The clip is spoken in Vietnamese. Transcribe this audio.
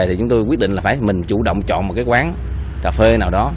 thì chúng tôi quyết định là phải mình chủ động chọn một cái quán cà phê nào đó